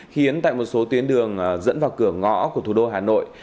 khiến tại một số tuyến đường dẫn vào cửa ngõ của thủ đô hà nội